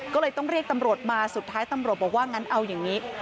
ก็เลยต้องเรียกตำรวจมาสุดท้ายตำรวจบอกว่างั้นเอาอย่างนี้